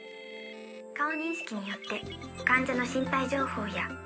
顔認識によって患者の身体情報や。